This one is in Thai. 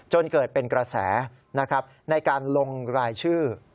จนเกิดเป็นกระแสนะครับในการลงรายชื่อ